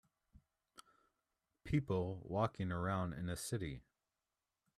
People walking around in a city.